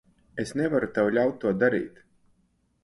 Es nevaru tev ļaut to darīt.